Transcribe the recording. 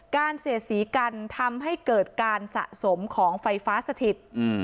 เสียดสีกันทำให้เกิดการสะสมของไฟฟ้าสถิต